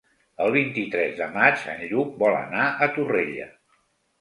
El vint-i-tres de maig en Lluc vol anar a Torrella.